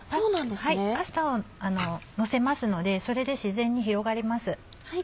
パスタをのせますのでそれで自然に広がります。